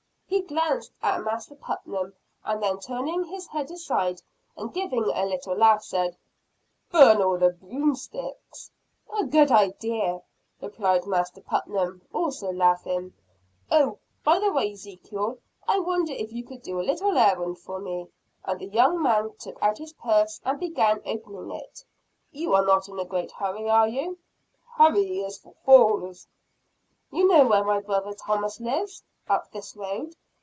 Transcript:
He glanced at Master Putnam, and then turning his head aside, and giving a little laugh, said, "Burn all the broomsticks." "A good idea," replied Master Putnam, also laughing. "Oh, by the way, Ezekiel, I wonder if you could do a little errand for me?" and the young man took out his purse and began opening it. "You are not in a great hurry, are you?" "Hurry, is for fools!" "You know where my brother Thomas lives? Up this road?"